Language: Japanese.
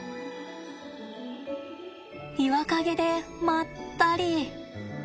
岩陰でまったり。